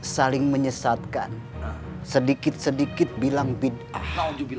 saling menyesatkan sedikit sedikit bilang